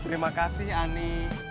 terima kasih ani